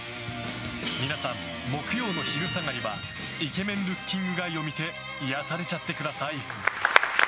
皆さん、木曜の昼下がりはイケメン・ルッキング・ガイを見て癒やされちゃってください。